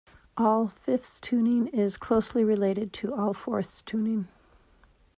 All-fifths tuning is closely related to all-fourths tuning.